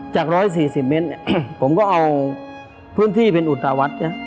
๑๔๐เมตรผมก็เอาพื้นที่เป็นอุตวัฒน์